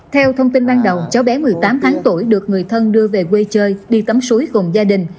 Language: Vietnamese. theo thông tin ban đầu cháu bé một mươi tám tháng tuổi được người thân đưa về quê chơi đi tắm suối cùng gia đình